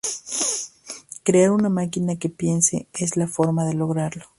Crear una máquina que piense es la forma de lograrlo.